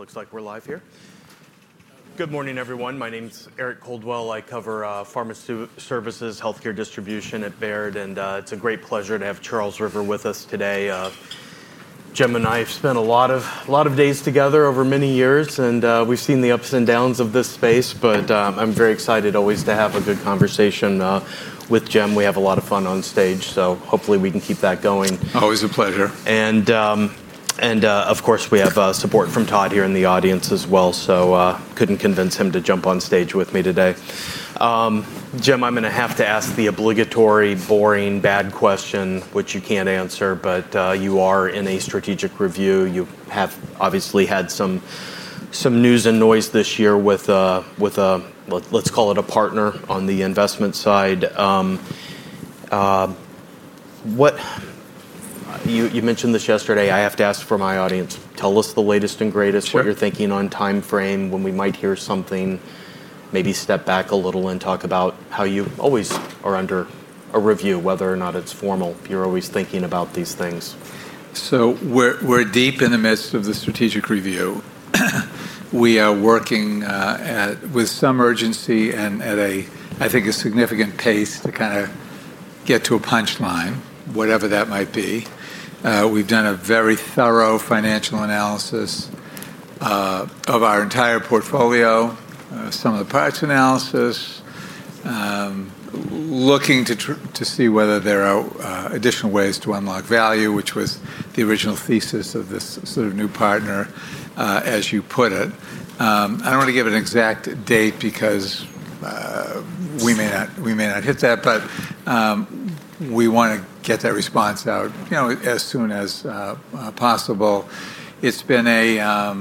Looks like we're live here. Good morning, everyone. My name's Eric Coldwell. I cover pharmaceutical services, healthcare distribution at Baird, and it's a great pleasure to have Charles River with us today. Jim and I have spent a lot of days together over many years, and we've seen the ups and downs of this space. I'm very excited always to have a good conversation with Jim. We have a lot of fun on stage, so hopefully we can keep that going. Always a pleasure. Of course, we have support from Todd here in the audience as well. Couldn't convince him to jump on stage with me today. Jim, I'm going to have to ask the obligatory, boring, bad question, which you can't answer, but you are in a strategic review. You have obviously had some news and noise this year with, let's call it, a partner on the investment side. You mentioned this yesterday. I have to ask for my audience, tell us the latest and greatest, what you're thinking on timeframe, when we might hear something. Maybe step back a little and talk about how you always are under a review, whether or not it's formal. You're always thinking about these things. We are deep in the midst of the strategic review. We are working with some urgency and at, I think, a significant pace to kind of get to a punchline, whatever that might be. We have done a very thorough financial analysis of our entire portfolio, some of the products analysis, looking to see whether there are additional ways to unlock value, which was the original thesis of this sort of new partner, as you put it. I do not want to give an exact date because we may not hit that, but we want to get that response out as soon as possible. It has been a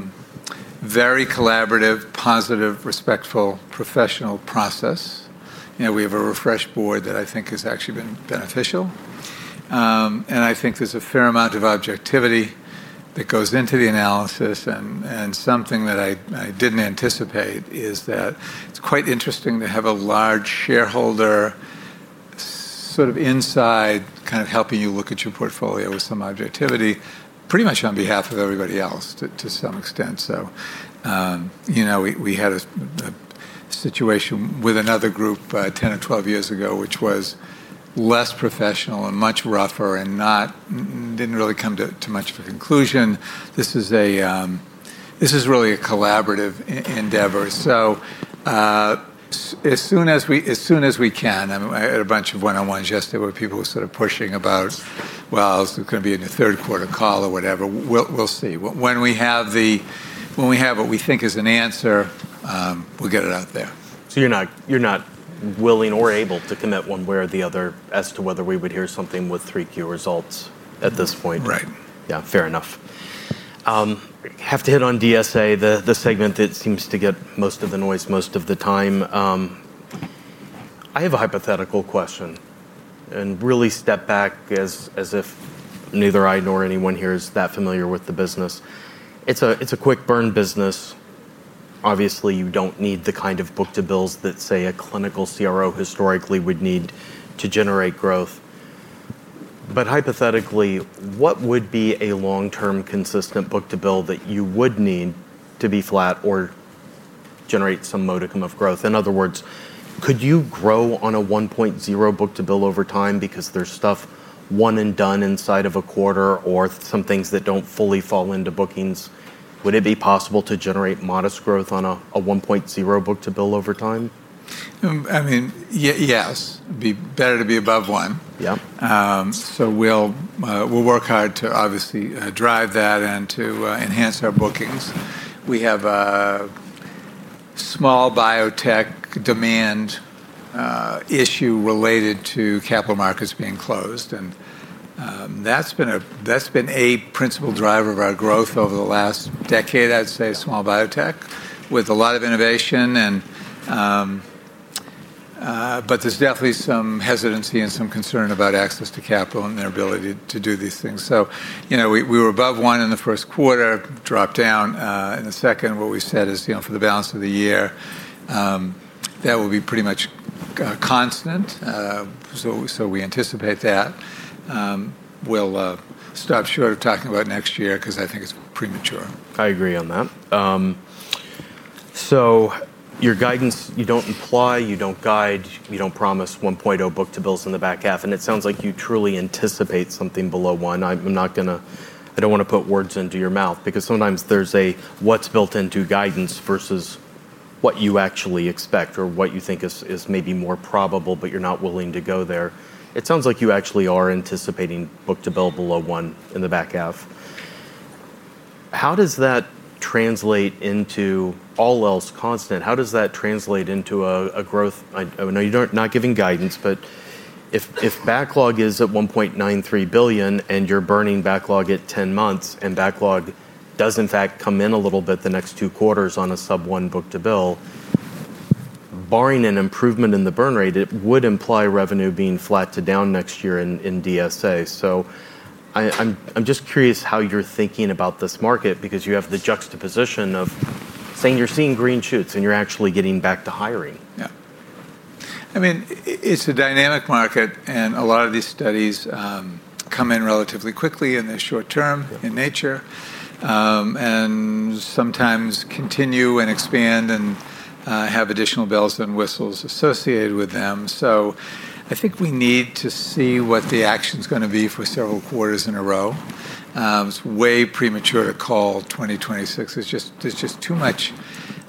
very collaborative, positive, respectful, professional process. We have a refreshed board that I think has actually been beneficial. I think there is a fair amount of objectivity that goes into the analysis. Something that I did not anticipate is that it is quite interesting to have a large shareholder sort of inside, kind of helping you look at your portfolio with some objectivity, pretty much on behalf of everybody else to some extent. We had a situation with another group 10 or 12 years ago, which was less professional and much rougher and did not really come to much of a conclusion. This is really a collaborative endeavor. As soon as we can, I had a bunch of one-on-ones yesterday where people were sort of pushing about, is this going to be in the third quarter call or whatever? We will see. When we have what we think is an answer, we will get it out there. You're not willing or able to commit one way or the other as to whether we would hear something with 3Q results at this point. Right. Yeah, fair enough. I have to hit on DSA, the segment that seems to get most of the noise most of the time. I have a hypothetical question and really step back as if neither I nor anyone here is that familiar with the business. It's a quick burn business. Obviously, you don't need the kind of book-to-bills that, say, a clinical CRO historically would need to generate growth. Hypothetically, what would be a long-term consistent book-to-bill that you would need to be flat or generate some modicum of growth? In other words, could you grow on a 1.0 book-to-bill over time because there's stuff one and done inside of a quarter or some things that don't fully fall into bookings? Would it be possible to generate modest growth on a 1.0 book-to-bill over time? I mean, yes, it'd be better to be above one. Yeah. We will work hard to obviously drive that and to enhance our bookings. We have a small biotech demand issue related to capital markets being closed, and that's been a principal driver of our growth over the last decade, I'd say, small biotech with a lot of innovation. There is definitely some hesitancy and some concern about access to capital and their ability to do these things. We were above one in the first quarter, dropped down in the second. What we said is, for the balance of the year, that will be pretty much constant. We anticipate that. We'll stop short of talking about next year because I think it's premature. I agree on that. Your guidance, you don't imply, you don't guide, you don't promise 1.0 book-to-bills in the back half, and it sounds like you truly anticipate something below one. I'm not going to, I don't want to put words into your mouth because sometimes there's what's built into guidance versus what you actually expect or what you think is maybe more probable, but you're not willing to go there. It sounds like you actually are anticipating book-to-bill below one in the back half. How does that translate into all else constant? How does that translate into growth? I know you're not giving guidance, but if backlog is at $1.93 billion and you're burning backlog at 10 months and backlog does in fact come in a little bit the next two quarters on a sub-1.0 book-to-bill, barring an improvement in the burn rate, it would imply revenue being flat to down next year in DSA. I'm just curious how you're thinking about this market because you have the juxtaposition of saying you're seeing green shoots and you're actually getting back to hiring. Yeah. I mean, it's a dynamic market and a lot of these studies come in relatively quickly and they're short term in nature and sometimes continue and expand and have additional bells and whistles associated with them. I think we need to see what the action's going to be for several quarters in a row. It's way premature to call 2026. There's just too much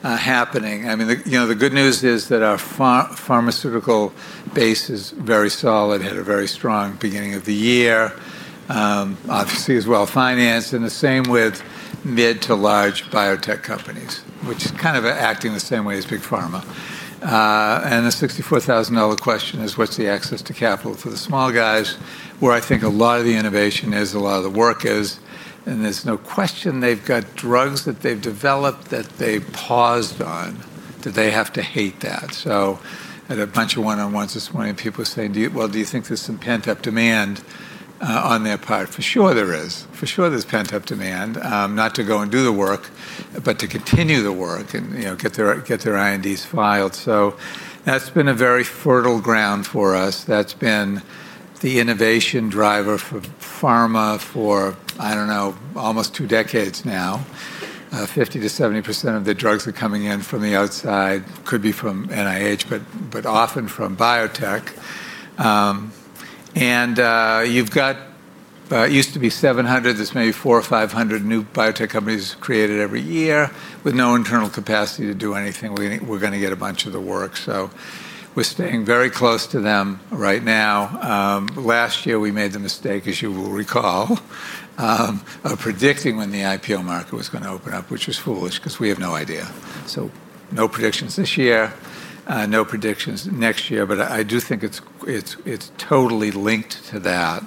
happening. I mean, you know, the good news is that our pharmaceutical base is very solid, had a very strong beginning of the year. Obviously, it's well financed and the same with mid to large biotech companies, which is kind of acting the same way as big pharma. The $64,000 question is what's the access to capital for the small guys where I think a lot of the innovation is, a lot of the work is, and there's no question they've got drugs that they've developed that they paused on. Do they have to hate that? I had a bunch of one-on-ones this morning and people saying, do you think there's some pent-up demand on their part? For sure there is. For sure there's pent-up demand, not to go and do the work, but to continue the work and, you know, get their INDs filed. That's been a very fertile ground for us. That's been the innovation driver for pharma for, I don't know, almost two decades now. 50%-70% of the drugs are coming in from the outside, could be from NIH, but often from biotech. It used to be 700, there's maybe 400 or 500 new biotech companies created every year with no internal capacity to do anything. We're going to get a bunch of the work. We're staying very close to them right now. Last year we made the mistake, as you will recall, of predicting when the IPO market was going to open up, which was foolish because we have no idea. No predictions this year, no predictions next year, but I do think it's totally linked to that.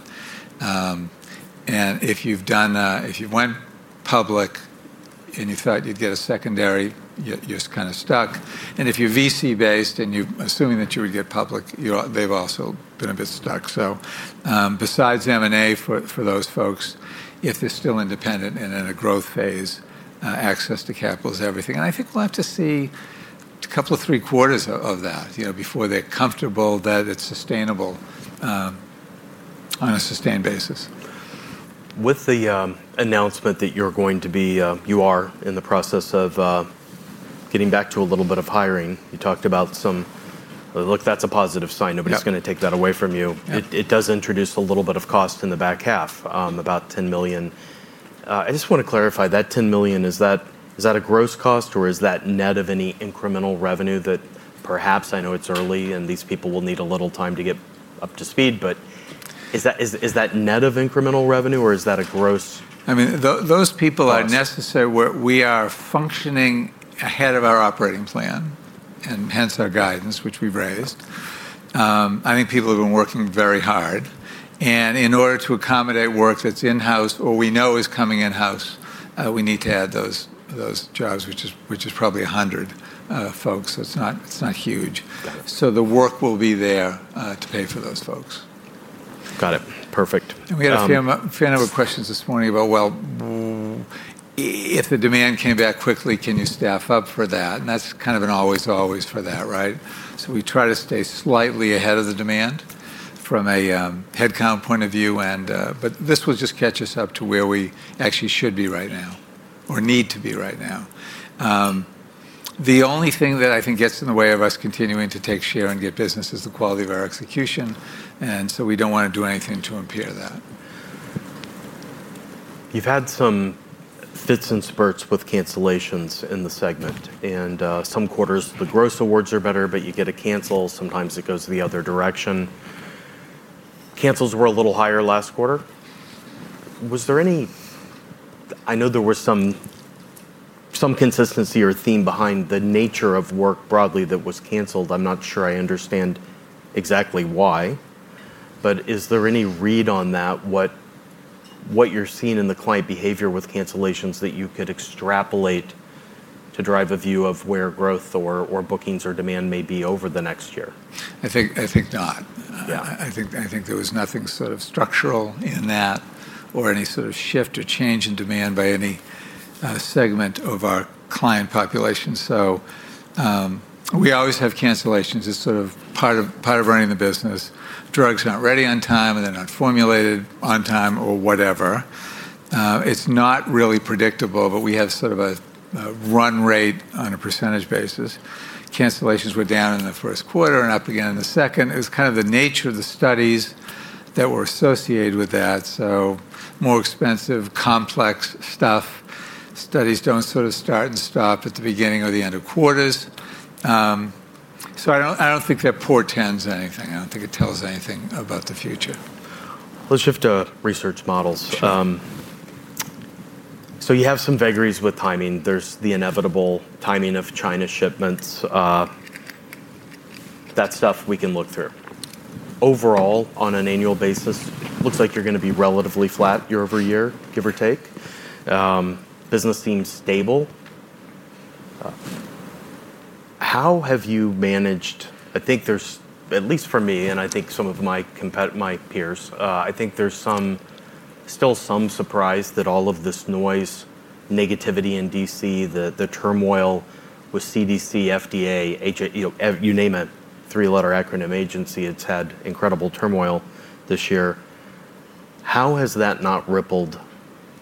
If you went public and you thought you'd get a secondary, you're kind of stuck. If you're VC-based and you're assuming that you would get public, they've also been a bit stuck. Besides M&A for those folks, if they're still independent and in a growth phase, access to capital is everything. I think we'll have to see a couple of three quarters of that before they're comfortable that it's sustainable on a sustained basis. With the announcement that you're going to be, you are in the process of getting back to a little bit of hiring. You talked about some, look, that's a positive sign. Nobody's going to take that away from you. It does introduce a little bit of cost in the back half, about $10 million. I just want to clarify that $10 million, is that a gross cost or is that net of any incremental revenue that perhaps, I know it's early and these people will need a little time to get up to speed, but is that net of incremental revenue or is that a gross? Those people are necessary. We are functioning ahead of our operating plan and hence our guidance, which we've raised. I think people have been working very hard. In order to accommodate work that's in-house or we know is coming in-house, we need to add those jobs, which is probably a hundred folks. It's not huge. The work will be there to pay for those folks. Got it. Perfect. We had a few questions this morning about, if the demand came back quickly, can you staff up for that? That's kind of an always, always for that, right? We try to stay slightly ahead of the demand from a headcount point of view, but this will just catch us up to where we actually should be right now or need to be right now. The only thing that I think gets in the way of us continuing to take share and get business is the quality of our execution. We don't want to do anything to impair that. You've had some fits and spurts with cancellations in the segment. In some quarters, the gross awards are better, but you get a cancel. Sometimes it goes the other direction. Cancels were a little higher last quarter. Was there any, I know there was some consistency or theme behind the nature of work broadly that was canceled. I'm not sure I understand exactly why, but is there any read on that, what you're seeing in the client behavior with cancellations that you could extrapolate to drive a view of where growth or bookings or demand may be over the next year? I think not. I think there was nothing sort of structural in that or any sort of shift or change in demand by any segment of our client population. We always have cancellations as sort of part of running the business. Drugs aren't ready on time and they're not formulated on time or whatever. It's not really predictable, but we have sort of a run rate on a percentage basis. Cancellations were down in the first quarter and up again in the second. It was kind of the nature of the studies that were associated with that. More expensive, complex stuff. Studies don't sort of start and stop at the beginning or the end of quarters. I don't think that portends anything. I don't think it tells anything about the future. Let's shift to research models. You have some vagaries with timing. There's the inevitable timing of China shipments. That stuff we can look through. Overall, on an annual basis, it looks like you're going to be relatively flat year-over-year, give or take. Business seems stable. How have you managed? I think there's, at least for me and I think some of my peers, still some surprise that all of this noise, negativity in D.C., the turmoil with CDC, FDA, you name a three-letter acronym agency, it's had incredible turmoil this year. How has that not rippled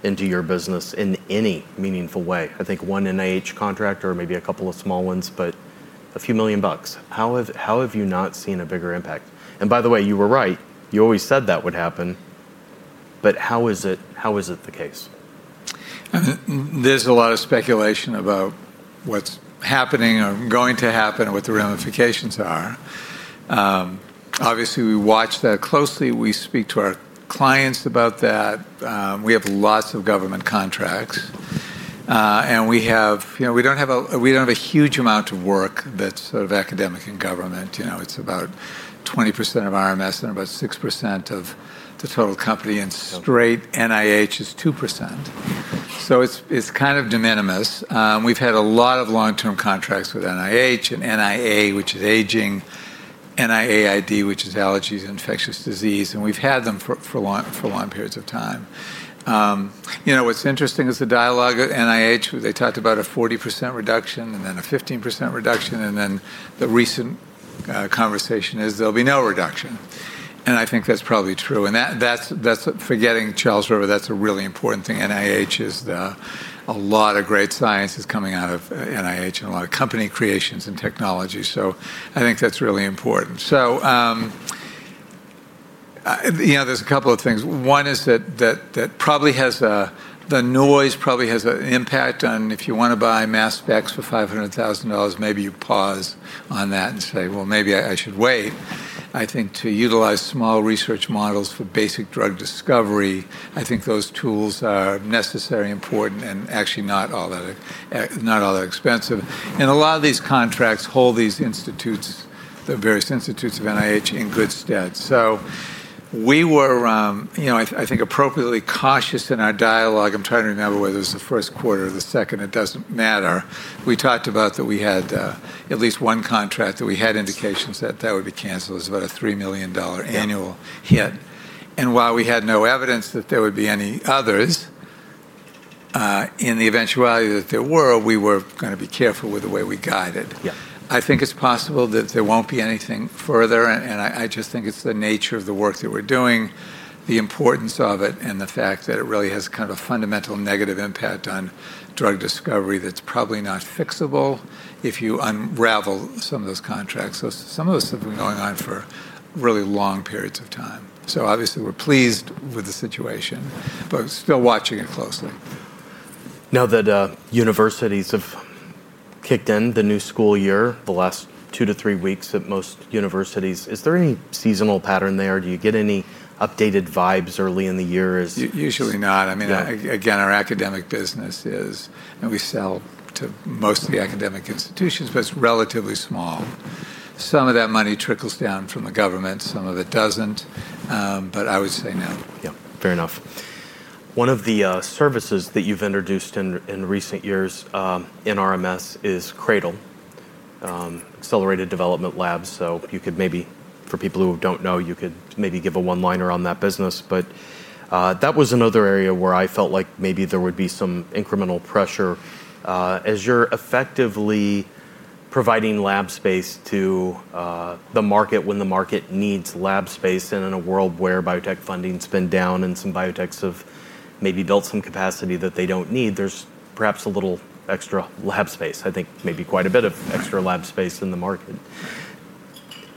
into your business in any meaningful way? I think one NIH contract or maybe a couple of small ones, but a few million bucks. How have you not seen a bigger impact? By the way, you were right. You always said that would happen. How is it the case? There's a lot of speculation about what's happening or going to happen or what the ramifications are. Obviously, we watch that closely. We speak to our clients about that. We have lots of government contracts. We don't have a huge amount of work that's sort of academic and government. It's about 20% of RMS and about 6% of the total company, and straight NIH is 2%. It's kind of de minimis. We've had a lot of long-term contracts with NIH and NIA, which is aging, NIAID, which is allergies and infectious disease, and we've had them for long periods of time. What's interesting is the dialogue at NIH, where they talked about a 40% reduction and then a 15% reduction, and then the recent conversation is there'll be no reduction. I think that's probably true. Forgetting Charles River, that's a really important thing. NIH is a lot of great science is coming out of NIH and a lot of company creations and technology. I think that's really important. There's a couple of things. One is that probably has the noise, probably has an impact on if you want to buy mass specs for $500,000, maybe you pause on that and say, maybe I should wait. I think to utilize small research models for basic drug discovery, I think those tools are necessary, important, and actually not all that expensive. A lot of these contracts hold these institutes, the various institutes of NIH, in good stead. We were, I think, appropriately cautious in our dialogue. I'm trying to remember whether it was the first quarter or the second. It doesn't matter. We talked about that we had at least one contract that we had indications that that would be canceled. It was about a $3 million annual hit. While we had no evidence that there would be any others, in the eventuality that there were, we were going to be careful with the way we guided. I think it's possible that there won't be anything further, and I just think it's the nature of the work that we're doing, the importance of it, and the fact that it really has kind of a fundamental negative impact on drug discovery that's probably not fixable if you unravel some of those contracts. Some of those have been going on for really long periods of time. Obviously, we're pleased with the situation, but still watching it closely. Now that universities have kicked in the new school year, the last two to three weeks at most universities, is there any seasonal pattern there? Do you get any updated vibes early in the year? Usually not. I mean, again, our academic business is, and we sell to most of the academic institutions, but it's relatively small. Some of that money trickles down from the government, some of it doesn't. I would say no. Yeah, fair enough. One of the services that you've introduced in recent years in RMS is CRADL, Accelerated Development Labs. For people who don't know, you could maybe give a one-liner on that business, but that was another area where I felt like maybe there would be some incremental pressure as you're effectively providing lab space to the market when the market needs lab space. In a world where biotech funding's been down and some biotechs have maybe built some capacity that they don't need, there's perhaps a little extra lab space. I think maybe quite a bit of extra lab space in the market.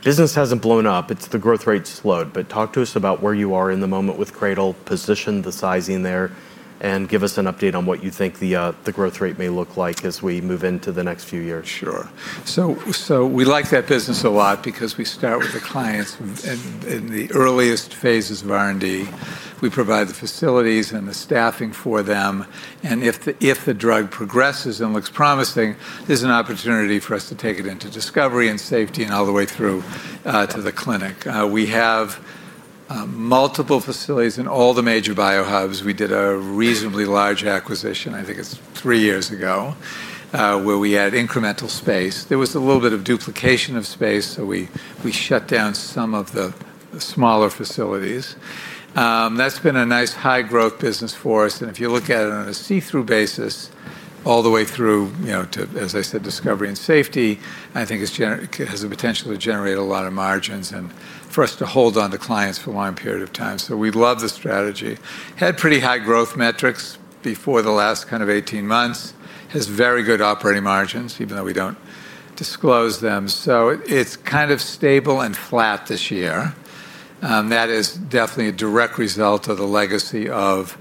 Business hasn't blown up. The growth rate's slowed, but talk to us about where you are in the moment with CRADL, position the sizing there, and give us an update on what you think the growth rate may look like as we move into the next few years. Sure. We like that business a lot because we start with the clients in the earliest phases of R&D. We provide the facilities and the staffing for them. If the drug progresses and looks promising, there's an opportunity for us to take it into discovery and safety and all the way through to the clinic. We have multiple facilities in all the major biohubs. We did a reasonably large acquisition, I think it's three years ago, where we had incremental space. There was a little bit of duplication of space, so we shut down some of the smaller facilities. That's been a nice high-growth business for us. If you look at it on a see-through basis, all the way through, you know, to, as I said, discovery and safety, I think it has the potential to generate a lot of margins and for us to hold on to clients for a long period of time. We love the strategy. Had pretty high growth metrics before the last kind of 18 months. Has very good operating margins, even though we don't disclose them. It's kind of stable and flat this year. That is definitely a direct result of the legacy of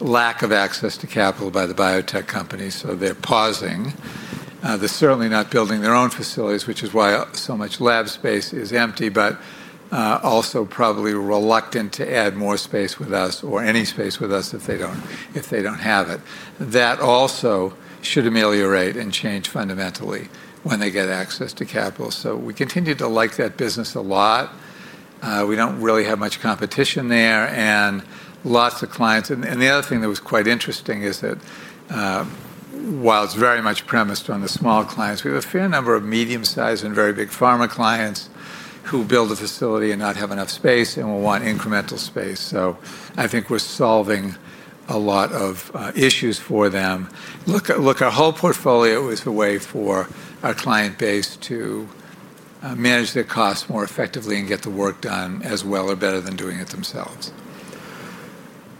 lack of access to capital by the biotech companies. They're pausing. They're certainly not building their own facilities, which is why so much lab space is empty, but also probably reluctant to add more space with us or any space with us if they don't have it. That also should ameliorate and change fundamentally when they get access to capital. We continue to like that business a lot. We don't really have much competition there and lots of clients. The other thing that was quite interesting is that while it's very much premised on the small clients, we have a fair number of medium-sized and very big pharma clients who build a facility and not have enough space and will want incremental space. I think we're solving a lot of issues for them. Look, our whole portfolio is a way for our client base to manage their costs more effectively and get the work done as well or better than doing it themselves.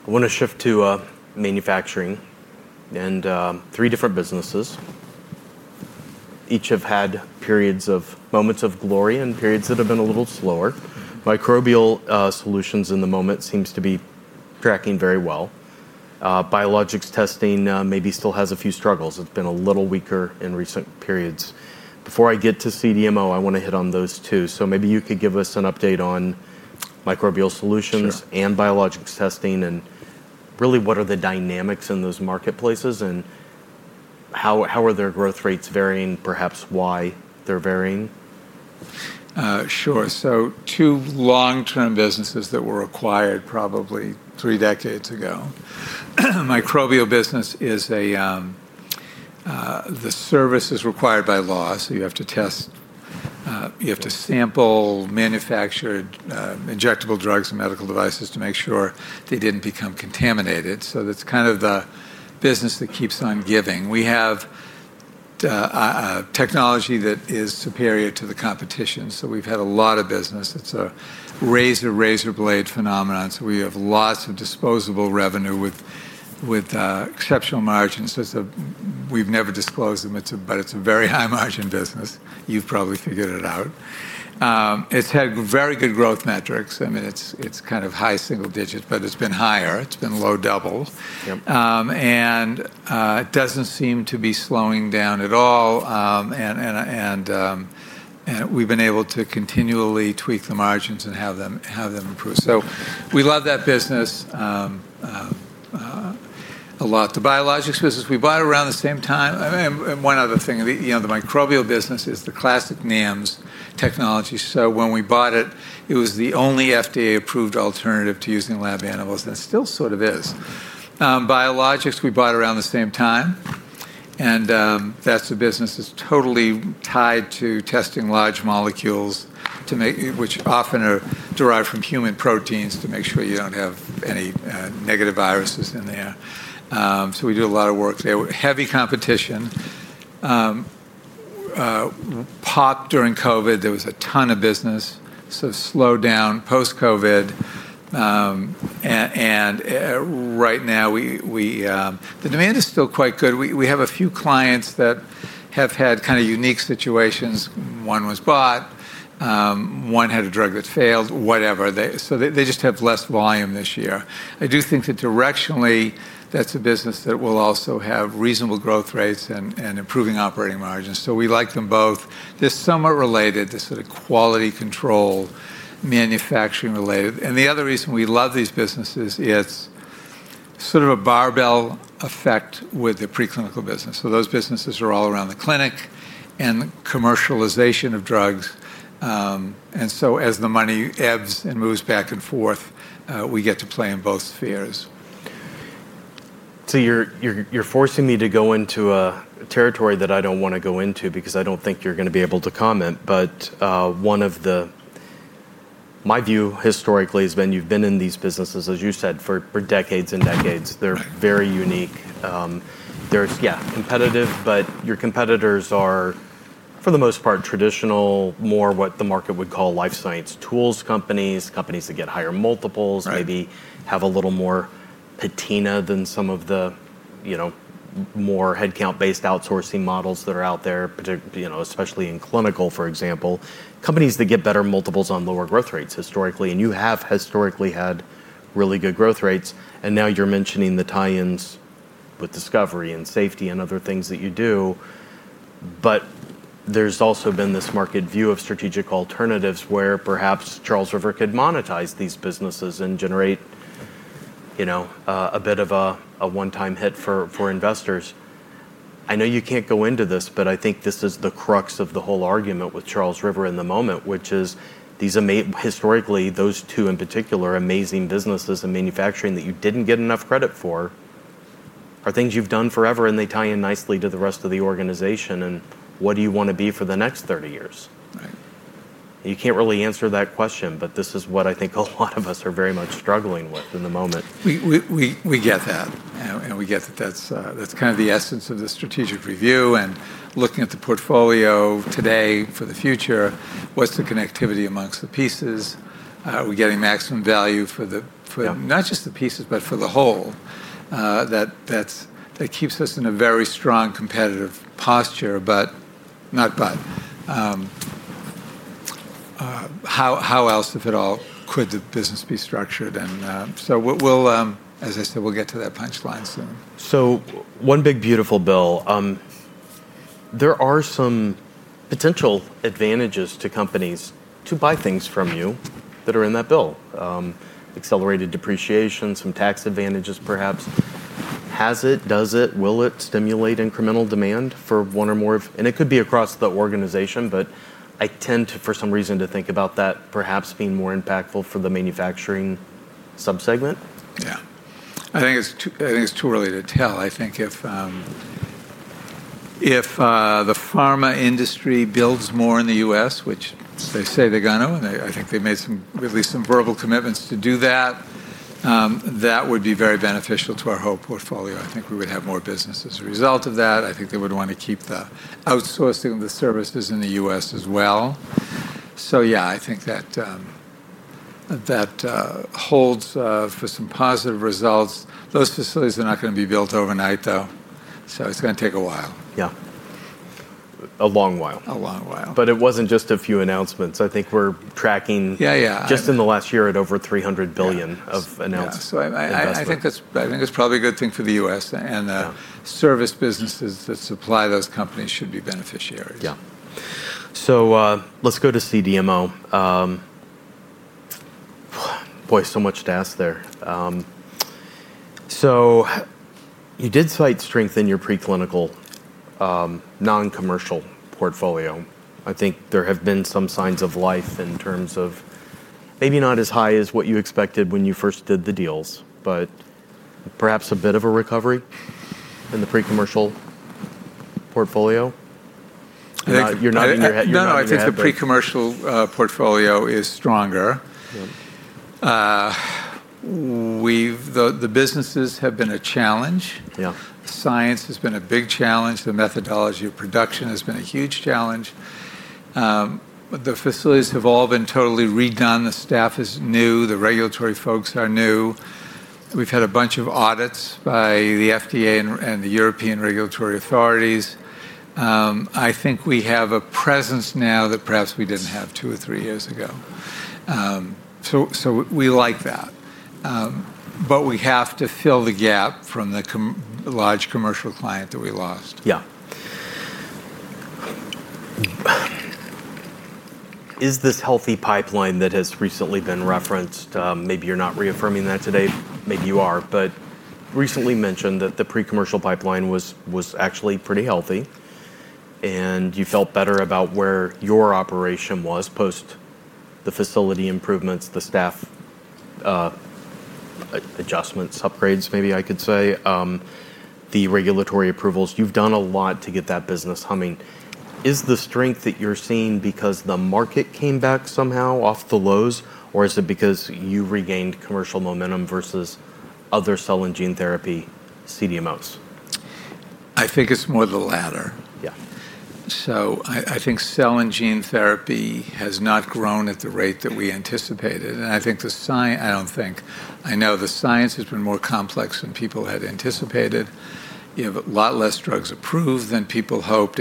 I want to shift to manufacturing and three different businesses. Each have had periods of moments of glory and periods that have been a little slower. Microbial Solutions in the moment seems to be tracking very well. Biologics testing maybe still has a few struggles. It's been a little weaker in recent periods. Before I get to CDMO, I want to hit on those two. Maybe you could give us an update on Microbial Solutions and biologics testing and really what are the dynamics in those marketplaces and how are their growth rates varying, perhaps why they're varying? Sure. Two long-term businesses that were acquired probably three decades ago. Microbial business is the service that's required by law. You have to test, you have to sample manufactured injectable drugs and medical devices to make sure they didn't become contaminated. That's kind of the business that keeps on giving. We have a technology that is superior to the competition. We've had a lot of business. It's a razor-razor-blade phenomenon. We have lots of disposable revenue with exceptional margins. We've never disclosed them, but it's a very high-margin business. You've probably figured it out. It's had very good growth metrics. It's kind of high single digits, but it's been higher. It's been low double. It doesn't seem to be slowing down at all. We've been able to continually tweak the margins and have them improve. We love that business a lot. The biologics business, we bought it around the same time. One other thing, the microbial business is the classic NAMs technology. When we bought it, it was the only FDA-approved alternative to using lab animals. That still sort of is. Biologics, we bought around the same time. That's a business that's totally tied to testing large molecules, which often are derived from human proteins to make sure you don't have any negative viruses in there. We do a lot of work there. Heavy competition. During COVID, there was a ton of business. Slowed down post-COVID. Right now, the demand is still quite good. We have a few clients that have had kind of unique situations. One was bought. One had a drug that failed, whatever. They just have less volume this year. I do think that directionally, that's a business that will also have reasonable growth rates and improving operating margins. We like them both. They're somewhat related to sort of quality control, manufacturing related. The other reason we love these businesses is sort of a barbell effect with the preclinical business. Those businesses are all around the clinic and commercialization of drugs. As the money ebbs and moves back and forth, we get to play in both spheres. You're forcing me to go into a territory that I don't want to go into because I don't think you're going to be able to comment, but my view historically has been you've been in these businesses, as you said, for decades and decades. They're very unique. They're competitive, but your competitors are, for the most part, traditional, more what the market would call life science tools companies, companies that get higher multiples, maybe have a little more patina than some of the more headcount-based outsourcing models that are out there, especially in clinical, for example. Companies that get better multiples on lower growth rates historically, and you have historically had really good growth rates. Now you're mentioning the tie-ins with discovery and safety and other things that you do. There's also been this market view of strategic alternatives where perhaps Charles River could monetize these businesses and generate a bit of a one-time hit for investors. I know you can't go into this, but I think this is the crux of the whole argument with Charles River in the moment, which is these historically, those two in particular, amazing businesses and manufacturing that you didn't get enough credit for, are things you've done forever and they tie in nicely to the rest of the organization. What do you want to be for the next 30 years? Right. You can't really answer that question. This is what I think a lot of us are very much struggling with in the moment. We get that. We get that that's kind of the essence of the strategic review and looking at the portfolio today for the future. What's the connectivity amongst the pieces? Are we getting maximum value for not just the pieces, but for the whole? That keeps us in a very strong competitive posture. How else, if at all, could the business be structured? As I said, we'll get to that punchline soon. One big beautiful bill. There are some potential advantages to companies to buy things from you that are in that bill: accelerated depreciation, some tax advantages perhaps. Has it, does it, will it stimulate incremental demand for one or more of, and it could be across the organization, but I tend to, for some reason, think about that perhaps being more impactful for the manufacturing subsegment. I think it's too early to tell. I think if the pharmaceutical industry builds more in the U.S., which they say they're going to, and I think they made some verbal commitments to do that, that would be very beneficial to our whole portfolio. I think we would have more business as a result of that. I think they would want to keep the outsourcing of the services in the U.S. as well. I think that holds for some positive results. Those facilities are not going to be built overnight though. It's going to take a while. Yeah, a long while. A long while. It wasn't just a few announcements. I think we're tracking just in the last year at over $300 billion of announcements. I think it's probably a good thing for the U.S., and the service businesses that supply those companies should be beneficiary. Yeah. Let's go to CDMO. Boy, so much to ask there. You did try to strengthen your preclinical non-commercial portfolio. I think there have been some signs of life in terms of maybe not as high as what you expected when you first did the deals, but perhaps a bit of a recovery in the pre-commercial portfolio? You're nodding your head. No, I think the pre-commercial portfolio is stronger. The businesses have been a challenge. Science has been a big challenge. The methodology of production has been a huge challenge. The facilities have all been totally redone. The staff is new. The regulatory folks are new. We've had a bunch of audits by the FDA and the European regulatory authorities. I think we have a presence now that perhaps we didn't have two or three years ago. We like that. However, we have to fill the gap from the large commercial client that we lost. Is this healthy pipeline that has recently been referenced? Maybe you're not reaffirming that today. Maybe you are, but recently mentioned that the pre-commercial pipeline was actually pretty healthy. You felt better about where your operation was post the facility improvements, the staff adjustments, upgrades, maybe I could say, the regulatory approvals. You've done a lot to get that business humming. Is the strength that you're seeing because the market came back somehow off the lows, or is it because you regained commercial momentum versus other cell and gene therapy CDMOs? I think it's more the latter. Yeah. I think cell and gene therapy has not grown at the rate that we anticipated. I think the science, I don't think, I know the science has been more complex than people had anticipated. You have a lot less drugs approved than people hoped.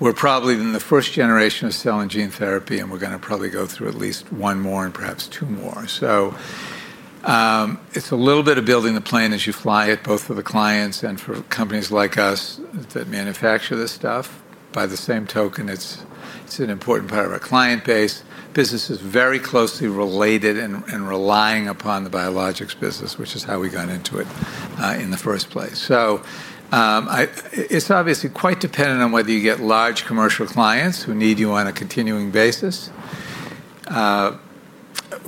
We're probably in the first generation of cell and gene therapy, and we're going to probably go through at least one more and perhaps two more. It's a little bit of building the plane as you fly it, both for the clients and for companies like us that manufacture this stuff. By the same token, it's an important part of our client base. Business is very closely related and relying upon the biologics business, which is how we got into it in the first place. It's obviously quite dependent on whether you get large commercial clients who need you on a continuing basis.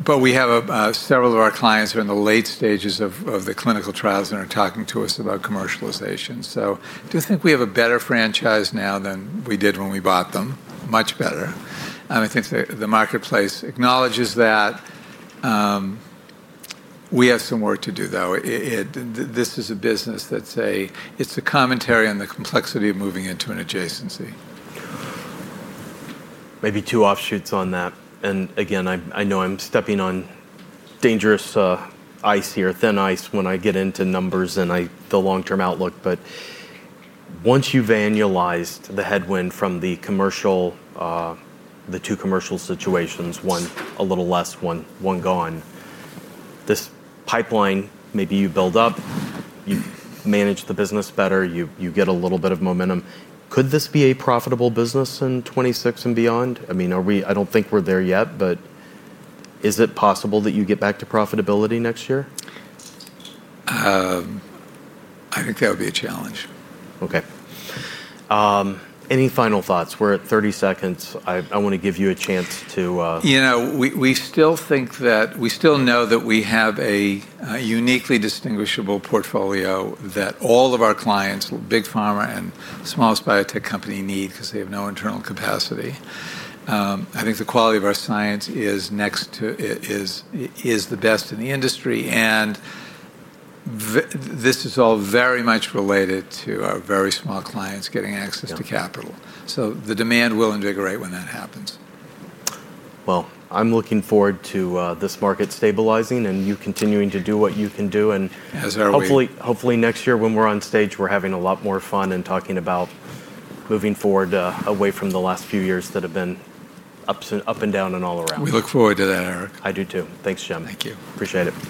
We have several of our clients who are in the late stages of the clinical trials and are talking to us about commercialization. I do think we have a better franchise now than we did when we bought them. Much better. I think the marketplace acknowledges that. We have some work to do, though. This is a business that's a commentary on the complexity of moving into an adjacency. Maybe two offshoots on that. I know I'm stepping on dangerous ice here, thin ice when I get into numbers and the long-term outlook. Once you've annualized the headwind from the commercial, the two commercial situations, one a little less, one gone, this pipeline maybe you build up, you manage the business better, you get a little bit of momentum. Could this be a profitable business in 2026 and beyond? I mean, I don't think we're there yet, but is it possible that you get back to profitability next year? I think that would be a challenge. Okay. Any final thoughts? We're at 30 seconds. I want to give you a chance to. We still think that we still know that we have a uniquely distinguishable portfolio that all of our clients, big pharma and smallest biotech company, need because they have no internal capacity. I think the quality of our science is next to, is the best in the industry. This is all very much related to our very small clients getting access to capital. The demand will invigorate when that happens. I'm looking forward to this market stabilizing and you continuing to do what you can do. Hopefully, next year when we're on stage, we're having a lot more fun and talking about moving forward away from the last few years that have been up and down and all around. We look forward to that, Eric. I do too. Thanks, Jim. Thank you. Appreciate it.